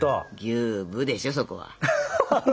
「ギューーぶ」でしょそこは！